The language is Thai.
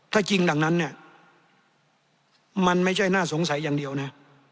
ถ้าจริงดังนั้นเนี่ยมันไม่ใช่น่าสงสัยอย่างเดียวนะ